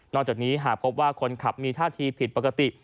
จากนี้หากพบว่าคนขับมีท่าทีผิดปกติ